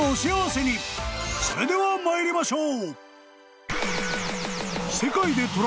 ［それでは参りましょう］